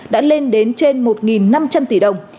đã lên đến trên một năm trăm linh tỷ đồng